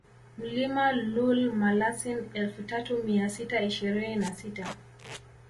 Mlima Lool Malasin elfu tatu mia sita ishirini na sita